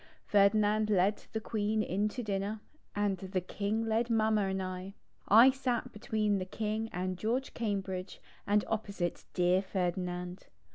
Ferdinand led the Queen in to dinner and the King led Mamma and I. I sat betv/een the King and George Cambridge and opposite dear Ferdinand.